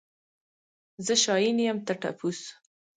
زه شاين يم ته ټپوس.